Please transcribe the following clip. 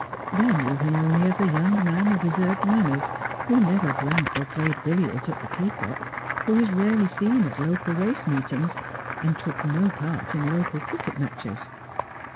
They knew him only as a young man of reserved manners, who never drank or played billiards at the ' Peacock ;' who was rarely seen at local race meetings, and took no part in local cricket matches.